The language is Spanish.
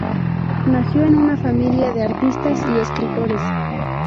Nació en una familia de artistas y escritores.